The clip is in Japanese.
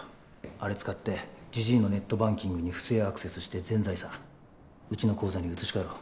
あれ使ってじじいのネットバンキングに不正アクセスして全財産うちの口座に移し替えろ。